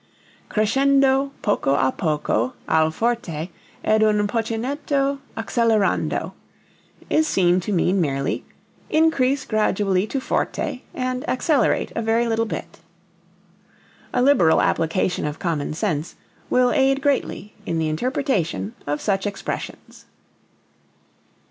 _, crescendo poco a poco al forte ed un pochettino accelerando, is seen to mean merely "increase gradually to forte and accelerate a very little bit." A liberal application of common sense will aid greatly in the interpretation of such expressions.